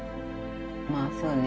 まあそうね。